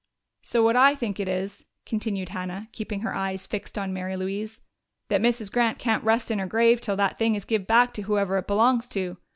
"So what I think is," continued Hannah, keeping her eyes fixed on Mary Louise, "that Mrs. Grant can't rest in her grave till that thing is give back to whoever it belongs to.